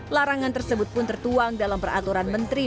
larangan tersebut pun tertuang dalam peraturan menteri